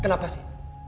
ma kenapa sih